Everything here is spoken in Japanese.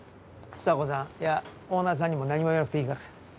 房子さんいやオーナーさんにも何も言わなくていいから。